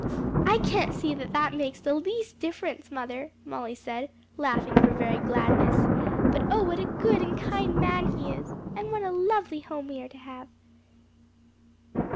"I can't see that that makes the least difference, mother," Molly said, laughing for very gladness. "But oh what a good and kind man he is! and what a lovely home we are to have!